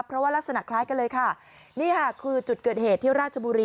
เพราะว่ารักษณะคล้ายกันเลยค่ะนี่ค่ะคือจุดเกิดเหตุที่ราชบุรี